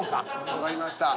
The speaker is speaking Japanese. わかりました。